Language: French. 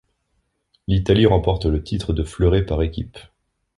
L'Italie remporte le titre de fleuret par équipe.